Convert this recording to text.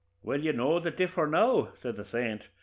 'Well, you know the differ now,' says the saint.